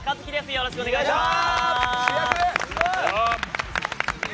よろしくお願いします。